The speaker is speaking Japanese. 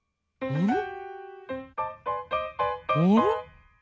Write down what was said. うん。